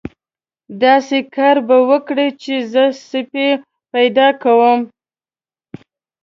داسې کار به وکړو چې زه سپی پیدا کوم.